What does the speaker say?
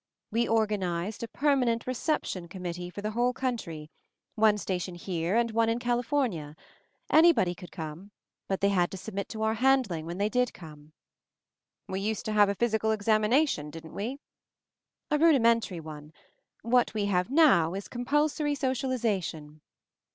We organized a permanent 'reception committee' for the whole country, 52 MOVING THE MOUNTAIN one station here and one in California. Anybody could come — but they had to sub mit to our handling when they did come." "We used to have physicial examination, didn't we?" "A rudimentary one. What we have now is Compulsory Socialization."